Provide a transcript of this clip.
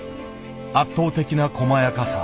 圧倒的なこまやかさ。